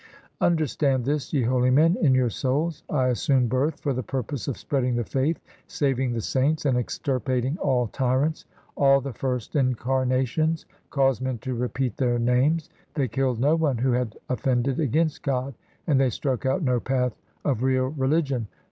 Understand this, ye holy men, in your souls. I assumed birth for the purpose Of spreading the faith, saving the saints, And extirpating all tyrants. All the first incarnations Caused men to repeat their names. They killed no one who had offended against God, And they struck out no path of real religion.